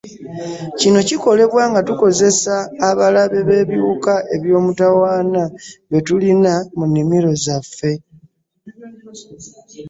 Kino kikolebwa nga tukozesa abalabe b’ebiwuka eby’omutawaana be tulina mu nnimira zaffe.